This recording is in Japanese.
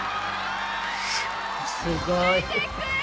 すごい。